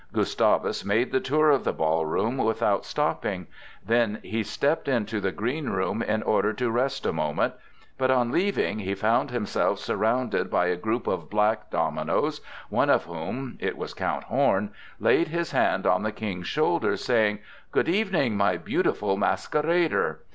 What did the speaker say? Gustavus made the tour of the ball room without stopping; then he stepped into the green room in order to rest a moment; but on leaving, he found himself surrounded by a group of black dominoes, one of whom (it was Count Horn) laid his hand on the King's shoulder, saying: "Good evening, my beautiful masquerader!"